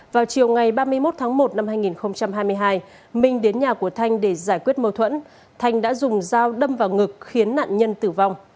vào chiều ngày ba mươi một tháng một năm hai nghìn hai mươi hai minh đến nhà của thanh để giải quyết mâu thuẫn thanh đã dùng dao đâm vào ngực khiến nạn nhân tử vong